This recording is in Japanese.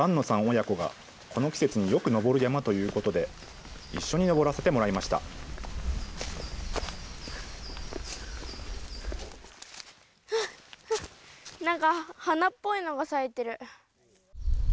親子がこの季節によく登る山ということで、一緒に登らせなんか花っぽいのが咲いてる。